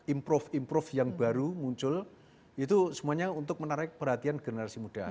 improve improve yang baru muncul itu semuanya untuk menarik perhatian generasi muda